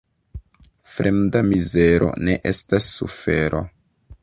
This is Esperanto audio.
Fremda mizero ne estas sufero.